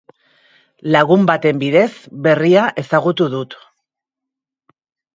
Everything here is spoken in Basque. Lagun baten bidez berria ezagutu dut.